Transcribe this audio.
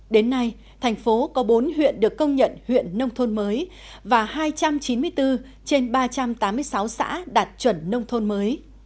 đến nay thành phố có bốn huyện được công nhận huyện nông thôn mới và hai trăm chín mươi bốn trên ba trăm tám mươi sáu xã đạt chuẩn nông thôn mới